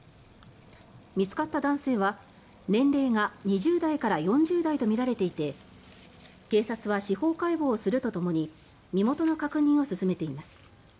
見つかった男性は、年齢が２０代から４０代とみられていて警察は司法解剖をするとともに身元の確認を進めています。